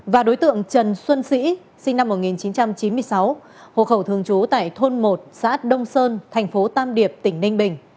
và đối tượng trần xuân sĩ sinh năm một nghìn chín trăm chín mươi sáu hộ khẩu thường trú tại thôn một xã đông sơn thành phố tam điệp tỉnh ninh bình